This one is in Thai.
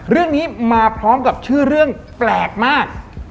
เรื่องนี้มาพร้อมกับชื่อเรื่องแปลกมาก